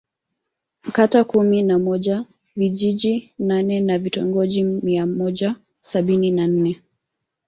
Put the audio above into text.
Kata kumi na moja vijiji nane na vitongoji mia moja sabini na nne